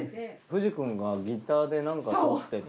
藤くんがギターで何かとってて。